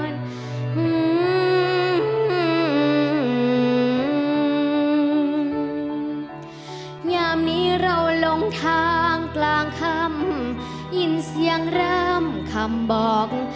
อย่างนี้เราลงทางกลางคำยินเสียงเริ่มคำบอก